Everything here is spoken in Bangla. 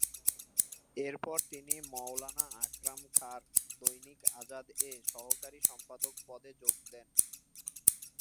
এরপর তিনি মওলানা আকরম খাঁ'র 'দৈনিক আজাদ'-এ সহকারী সম্পাদক পদে যোগ দেন।